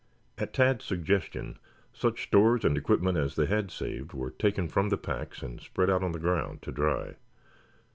At Tad's suggestion, such stores and equipment as they had saved were taken from the packs and spread out on the ground to dry.